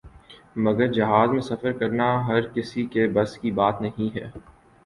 مگر جہاز میں سفر کرنا ہر کسی کے بس کی بات نہیں ہے ۔